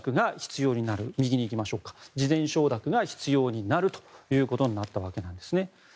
事前承諾が必要になるということになったわけなんです。